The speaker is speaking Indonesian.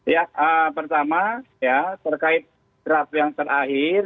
ya pertama ya terkait draft yang terakhir